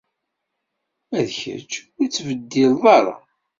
Ma d kečč, ur tettbeddileḍ ara.